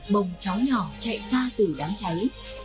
bông chó nhỏ chạy ra từ đám cháy